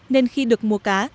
nên khi được mua cá